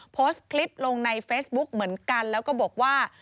โพสต์คลิปลงในเฟซบุ๊กเหมือนกันแล้วก็บอกว่า